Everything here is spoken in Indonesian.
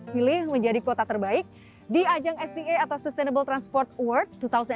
pilih menjadi kota terbaik di ajang sda atau sustainable transport award dua ribu delapan belas